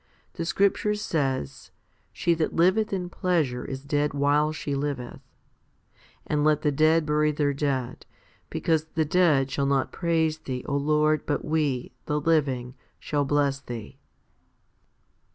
The scripture says, She that liveth in pleasure is dead while she liveth*; and, Let the dead bury their dead 5 ; Because the dead shall not praise Thee, Lord, but we, the living, shall bless Thee.